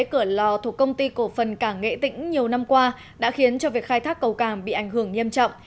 cửa lò thuộc công ty cổ phần cảng nghệ tĩnh nhiều năm qua đã khiến cho việc khai thác cầu cảng bị ảnh hưởng nghiêm trọng